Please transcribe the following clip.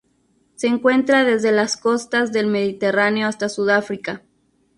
Se encuentra desde las costas del Mediterráneo hasta Sudáfrica.